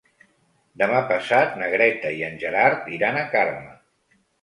Demà passat na Greta i en Gerard iran a Carme.